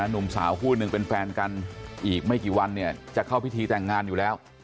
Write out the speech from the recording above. หนุ่มสาวคู่หนึ่งเป็นแฟนกันอีกไม่กี่วันเนี่ยจะเข้าพิธีแต่งงานอยู่แล้ว